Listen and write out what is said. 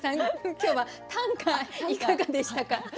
今日は短歌いかがでしたか？